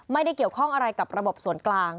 ไม่ได้เกี่ยวข้องอะไรกับระบบส่วนกลาง